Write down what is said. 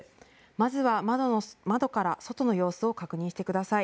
まずは窓から外の様子を確認してください。